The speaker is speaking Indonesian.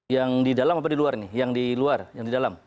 yang di dalam apa di luar nih yang di luar yang di dalam